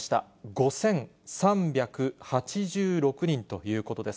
５３８６人ということです。